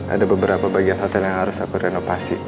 ada beberapa bagian hotel yang harus aku renovasi